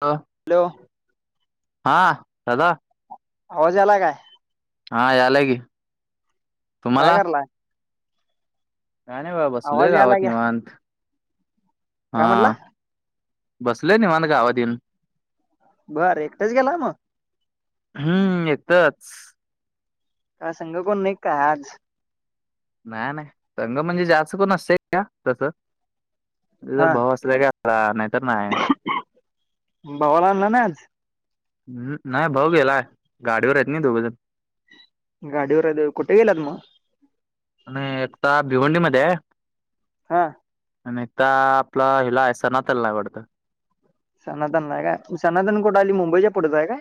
अ! Hello! हा दादा. आवाज आला काय? हा यालाकी. काय करलाय? काय नाही बा बसलोय आवाज याला गावात घ्या निवांत काय म्हटला हा! बसलोय निवांत गावात येऊन. बरं एकटाच गेला म. हूं एकटाच. का संग कोण नाही का आज? नाही, नाही संग म्हणजे जास्त पण नसते तस जर भावू असल्या का. [unintelligible] नाहीतर नाही. भावालाआणल नाही आज. हूं नाही भाऊ गेलाय गाडीवर आहेत नी दोघंजण. गाडीवर आहे देव कुठे गेलात म? नाही आत्ता भिवंडीमध्ये आहे. हं! आण हित आपला व्हिला आहे सण त्याला आवडतं सनातन नाय का सनातन कुठ आली मुंबईच्या पुढचा आहे काय.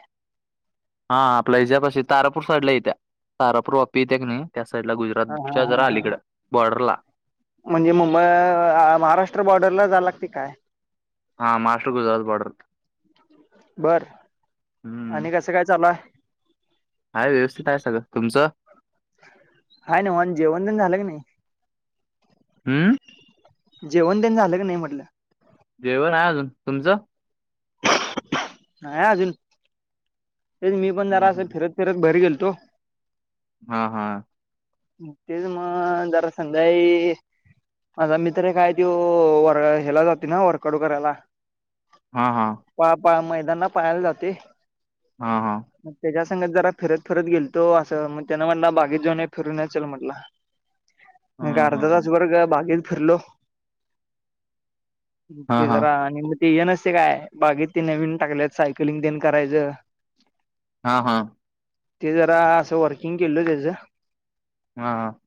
हा आपल्या हच्या पाशी तारापूर साईडला येत्या तारापूर वापी येते क नाही. त्या साइड ला हा हा गुजरातच्या जरा आली कडं बॉर्डरला. म्हणजे मुंबई आ महाराष्ट्र बॉर्डरला आला की काय. हा महाराष्ट्र, गुजरात बॉर्डर बर हम्म आणि कसं काय चालुय. आहे व्यवस्थित आहे सगळं तुमचं? हाय नव्ह न जेवणं झालं की नाही? हम्म जेवण देण झालं की नाही म्हटलं? जेवण आहे अजून. तुमचं? [inaudible] नाही अजून. ते मी पण हम्म, जरा असं हम्म. फिरत- फिरत भैर गेलतो. हा- हा. तेच मग जरा संध्याळी.... माझा मीत्र एक हाय त्यो वर -हेला जातोय ना वर्कआउट करायला. हा -हा. पळा-पळा मैदानला पळायला जातोय. हा -हा. मग त्याच्या संगत जरा फिरत- फिरत गेलतो असं मग त्यान म्हणला बागेत जाऊन फिरून येऊया चल म्हटला. [inaudible] हा म काय अर्धा हा हा तास बर का बागेत फिरलो. म हा ते जरा आणि ते हे नसतय काय बागेत ते नवीन टाकल्यात सायकलिंग तेन करायचं. हा- हा. ते जरा असं वर्किंग केलो तेचं. हा.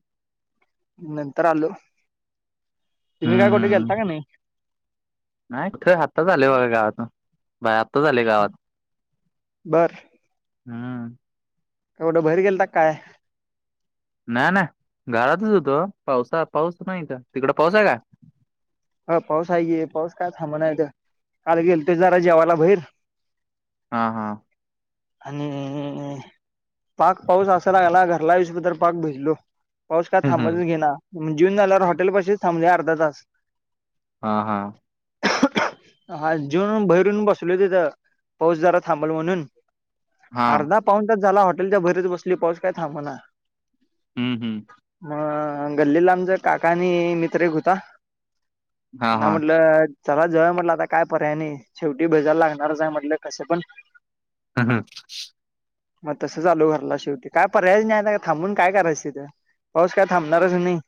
नंतर आलो. तुम्ही काय हम्म कुठे गेलता का हम्म. नाही? नाही आताच आलोय बघा गावातन बा -आताच आलोय गावातन. बरं. हा. म कुठं बहेर गेलता का काय? ना -ना घरातच हुतो, पावसा -पाऊस नाही तर तिकड पाऊस हाय काय? हा पाऊस आहे की पाऊस काय थांबणा इथं काल गेलतीत जरा जेवाला बहिर. हा- हा. हं- -हं- हं -हं- हं........ पाक पाऊस असा लागला घरला येउस तर पाक भिजलो. पाऊस काय हम्म. हम्म. थांबतच घेइना म्ह जेऊनल्यावर हॉटेल पाशीच थांबलोय अर्धातास. हा -हा. हा जीवून भैरून बसलो तिथ पाऊस जरा थांबल म्हणून हा अर्धा पाऊणतास झाला हॉटेलच्या भैरच बसलोय पाऊस काय थांबना. हम्म- हम्म. मग गल्लीला आमचा काका आणि मित्र एक हुता. हा त्यांना हा म्हटलं चला जऊया म्हटलं. आता काय पर्याय नाही. शेवटी भीजायला लागणारच आहे म्हटलं कसं पण. हा -हा [inaudible] मग तसंच आलो घरला शेवटी. काय पर्यायच नाही आता काय थांबून काय करायचं तिथं. पाऊस काय थांबणारच नाही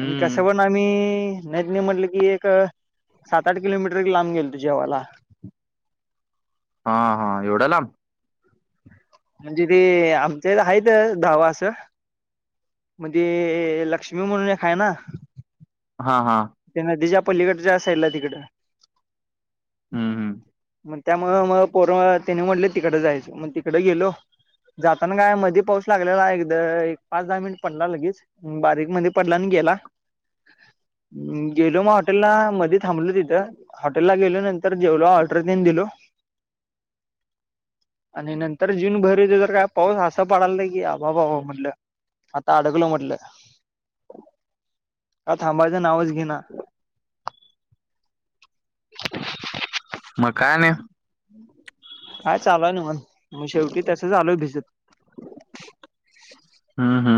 आणि कस पण आम्ही.... नज्ञ म्हटलं की एक सात -आठ किलोमीटर लांब गेलतो जेवायला. हा -हा एवढ्या लांब? म्हणजे ते आमच्या इथ आहेत ढाबा असं म्हणजे लक्ष्मी म्हणून एक हाय ना. हा- हा. ते नदीच्या, पल्लीकडच्या साईडला तिकड हम् हम्. मग त्यामुळे मग पोर त्यानी म्हटले तिकडं जायचं मग तिकडं गेलो. जाताना काय, मध्ये पाऊस लागलेला, एकदा एक पाच दहा मिनिट पडला लगेच बारीक मध्ये पडला, आणि गेला. गेलो मग हॉटेलला, मधी थांबलो तिथं, हॉटेलला गेलो नंतर जेवलो ऑर्डर तेन दिलो. [inaudible] आणि नंतर जून बहिर येतोय, तर काय पाऊस असा पडालता की, अवाबाबा म्हटलं आता अडकलो म्हटल, काय थांबायचं नावच घेना. मग काय नाही हाय चालूय निवांत, मग शेवटी तसच आलो भिजत. हा हा.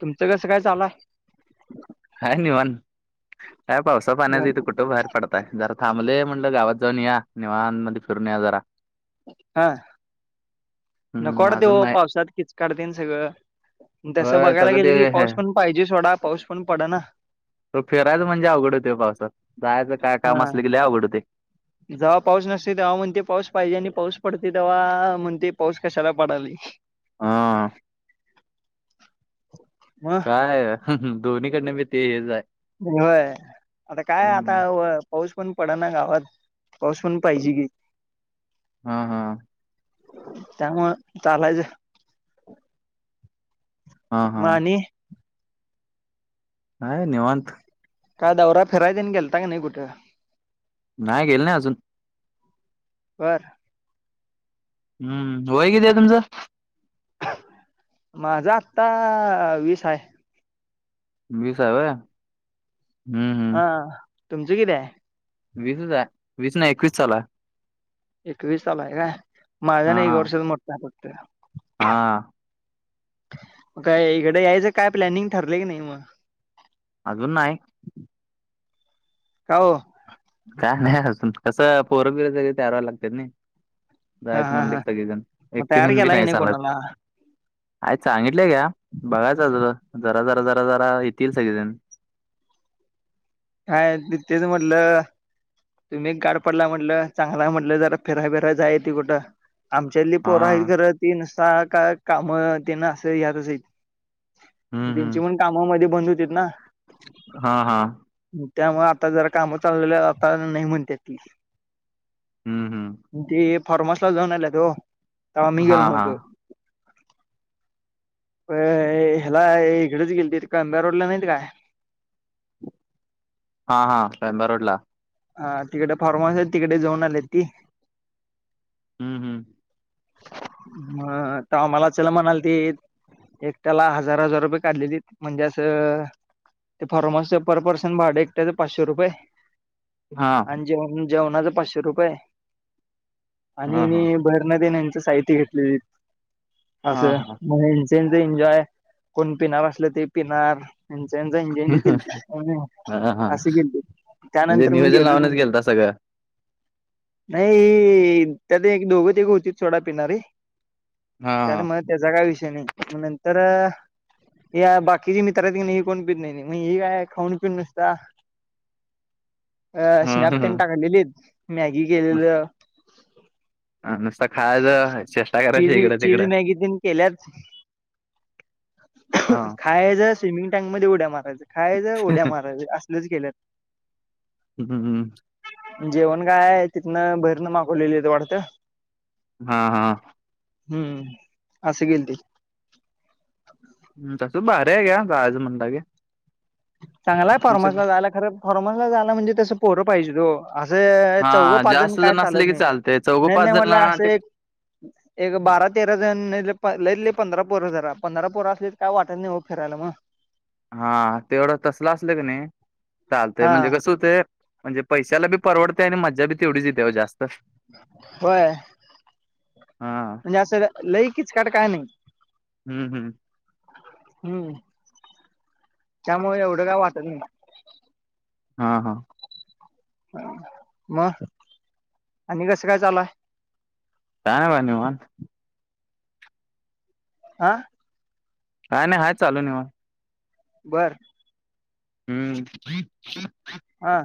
तुमचं कसं काय चालू हाय? हाय निवांत, काय पावसा आहे पाण्याचं हित कुठं बाहेर पडताय, जरा थांबलोय, म्हटलं जरा गावात जाऊन येऊया, निवाांमध्ये फिरून येऊया जरा. हा. नको हम्म वाटतय अजून ओ नाही पावसात, किचकाढ तेन सगळं. तसं होय बघायला सगळं ते गेलं की, हे, पाऊस पण पाहिजे सोडा, पाऊस पण पड ना. तर फीरायचं म्हणजे अवघड होतय ओ पावसात, जायचं काय काम असलं की लय अवघड होतय. जव्हा पाऊस नसतोय तव्हा म्हणतय पाऊस पाहिजे, आणि पाऊस पडतय तव्हा म्हणतय. पाऊस कशाला पडालय. हा. मग काय दोन्हीकडन बी ते हेच आहे. होय, आता काय आता हम्म पाऊस पण पडा ना गावात, पाऊस पण पाहिजे की. हा हा. त्यामुळ चालायचं. हा म हा आणि हाय निवांत. काय दौरा, फिराय तेन गेलता का नाही कुठ? नाही, गेलो नाही अजून. बर. हम्म! वय कितीय हाय तुमच? माझा आत्ता वीस हाय. वीस हाय होय? हम्म हम्म हा, तुमचं किती आहे? वीसच हाय, वीस नाही एकवीस चालू आहे. एकवीस चालू हाय काय, माझ्यान एक हा वर्षाच मोठ हाय फक्त. हा. म काय इकड यायचं काय प्लॅनिंग, ठरलय की नाही मग? अजून नाही. का ओ? काय नाही अजून, कसं पोर बीर सगळी तयार वायला लागत्यात नाही. हा जायचं हा म्हणल की हा सगळीजण, मग एकट तयार येऊन बी केला की नाही चालत. कोणाला आ सांगितलेय घ्या, बघायचं त जरा जरा जरा जरा येतील सगळी जण. काय तेच म्हटलं तुम्ही एक गाडपडला म्हटलं चांगला म्हटलं जरा फिराय फिराय जाय ती कुठं. आमच्या इथली हा पोरं आहेत खरं ते नुसता का काम ते न असं यातच आहेत. हम्म त्यांचे हम्म पण कामामध्ये बंद होतीतना? हा हा. त्यामुळे आता जरा कामं चालुली झालीया आता नाही म्हणत्यात ती. हम्म, हम्म. ते फार्मासला जाऊन आलेत हो तेव्हा मी हा गेलो हा नव्हतो. ह्याला इकडेच गेलती कांदा रोडला नाहीत काय. हा हा कांदा रोडला. हा तिकडे फॉर्मन्स आहे तिकडे जाऊन आलेत ती. हम्म, हम्म. ह तवा मला चल म्हणाल ते एक त्याला हजार, हजार रुपये काढलेली म्हणजे असं ते फर्मासच पर पर्सन भाड एकट्याचे पाचशे रुपये. हा आणि जेवण जेवणाच पाचशे रुपये आणि हा हा [unintelligible] यांच साहित्य घेतलेली हा असं हा म्हहे त्याच एन्जॉय कोण पिणार असल ते पिणार त्यांचा त्यांचा एन्जॉय त्यांनी केलता. हा हा अस गेलते, म्हणजे त्यानंतर मी नियोजन गेलो लावूनच गेलता सगळं नाही त्यात एक दोघ तिघ होतीत सोडा पिणारी. हा तर हा मग त्याचा काय विषय नाही म नंतर या बाकीचे मित्र आहेत कनी ही कोण पित नाहीती मग हे काय खाऊ पिऊन नुसत अ स्नॅप ह ह तेन टाकाय गेलीत मॅगी केलेलं अन नुसता खायचं चेष्ट चीज, चीजि मॅगी तेन केल्यात हा खायाच स्विमिंग टँक मध्ये ऊड्या मारायच. खायच उढ्या मारायच असलच केल्यात. हम्म, हम्म. जेवण काय तिथनं बाहेरनं मागवलेली त वाटतं. हा हा. हम्म असं गेलते. हम्म तस भारी आहे ग्या जायचं म्हणल तर. चांगलाय फॉर्मसला जायला खरं फॉर्मसला जायला म्हणजे तसं पोरं पाहिजेत ओ. असं चौघं, हा पाच जण जास्त काय असले चालत की नाहीत चालतय चौघं पाच नाही जण म्हटला ना असं ते एक एक बारा, तेरा जण लयतलय पंधरा पोर धरा. पंधरा पोर असले तर काय वाटत नाही हो फिरायला मग हा तेवढं तसल असल की नाही चालतय हा म्हणजे कस होतय म्हणजे पैशाला बी परवडते आणि मज्जा बी तेवढच येते जास्त होय. हा म्हणजे असं लईकीच काट काय नाही. हम्म, हम्म. हम्म. त्यामुळे एवढं काय वाटत नाही. हा हा. मग आणि कसं काय चाला कायं म्हंणे मंग हां कायं नाहीं कायं चालूं निवांत. बरं हम्मं हां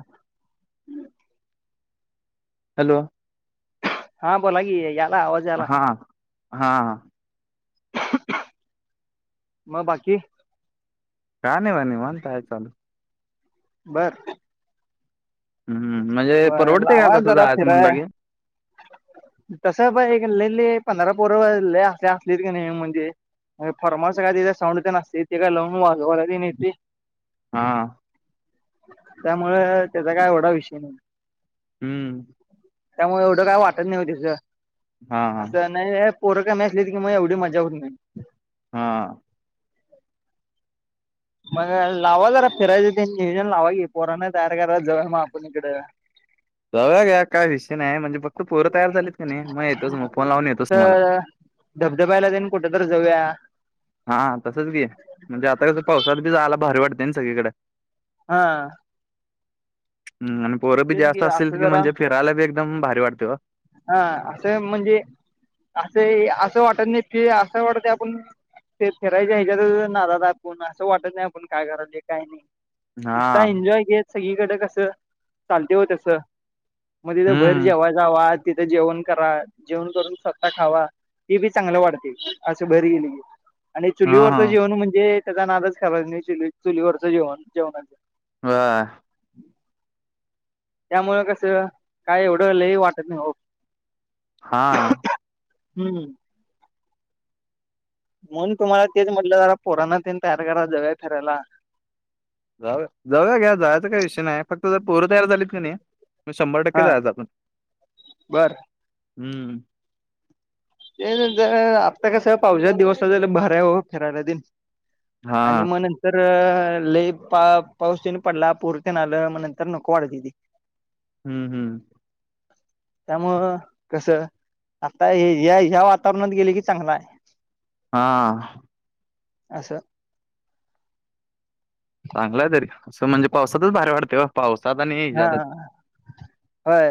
हॅलो हां बोलां की यां हां हां मंग बाकी कायं नाहीं बघां निवांत निवांत हांय निवांत येतातं बरं हम्मं म्हणजे परवडते कां लावा तसं जरा जायचं फिराय म्हणलं की. तसं बां एकां लेले पंधरा पोरं लंय असे असलेत कने म्हणजे फॉर्मन्स कायं तित साऊंड हे ते न असतंय ते कायं लावूंन वाजवायंला बी येतंय. हां त्यांमुळे त्यांचा कायं एवढां विषय नाहीं हम्म त्यांमुळे कायं वाटतं नाहीं व तित हा हा असं नाहीय पोरं कामी असली की मं एवढी मज्जा होतं नाहीं. हां मंग लावां जरां फिरायचं तीनं नियोजन लावां की पोरांण तयार करायचं जवळं मंग आपणं इकडे जाऊंया घ्यां कायं विषय नाहीं म्हंजे फतं पोरं तयांर झालीत कां नाहीं मंग येतोच मंग फोन लावूंन येतोच तुम्हांला. धबधब्याच्या लागतं ते न कुठं तरं जाऊंया. हां तसंच घे म्हणजे आंता कसं पावसांत बी जायंला भारी वाटते नां सगळींकडे. हां हम्मं आणि पोरं बी तेच जास्तं असेल असं की म्हणजे फिरायंला बी एकदंम भारी वाटतें बां हां असं म्हणजे असं असं वाटतं नाहीं कि असं वाटतं आपणं ते फिरायच्यां ह्यांच्यात नांत आपणं असं वाटतं नाहीं आपणं कायं करायचं कांहीं नाहीं हा नुसतां एन्जॉय घेतं सगळींकडे कसं चालते होतसं मंग तिथं भहेर हम्म जेवायचां वासं तिथे जेवणं करां जेवणं करूंन स्वंतः खांवा ते बी चांगलं वाढते असं बरी गली कि आणि हा चुलीवरचं हा जेवणं म्हणजे त्यांचा नादंच करायचं नाहीं चु चुलीवरचं जेवणं जेवणांच वां त्यामुळें कसं कायं एवढं लही वाटतं नाहीं हो हां हम्मं मंग तुम्हांला तेचं म्हटलं जरां पोरांण तनं तयारी करां जाऊयां फिरायंला जाऊं जाऊयां घ्यां जायचं कांहीं विषय नाहीं फक्तं जे पोरं तयार झालीत कां नाहीं मंग शंभर टक्के जांयजांतात बरं हम्मं ते आंत्ता कसं पावसाचे दिवसं झाले भऱं आहे हो फिरायंला दिन हा आणि म्हनं नंतर तरं लले पा पाऊस तंने पडलां पोरतेन आलं मंग नंतर नको वाढतं तेथी हम्मं हम्मं त्यामुळं कस आता हे या ह्या वातावरणात गेले की चांगला आहे. हा. अस. चांगलय तरी. असं म्हणजे पावसातच भारी वाटते हो. पावसात आणि जा हा क होय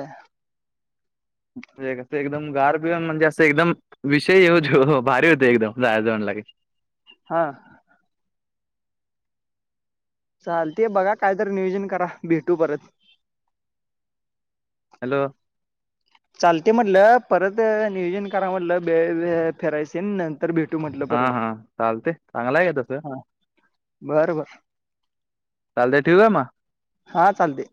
एकदम गारबीण, म्हणजे असं एकदम विषय ये जो भारी होते एकदम. जायाच म्हणलं की. हा. चाल ते बघा. कायतरी नियोजन करा. भेटू परत. हॅलो. चालते म्हणलं. परत नियोजन करा म्हणलं. बे बे फेरायचन हा हा चालते य. चागलाय का तस. हा बरं बरं चालतेय ठेऊ का म? हा चालते.